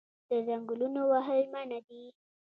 د ځنګلونو وهل منع دي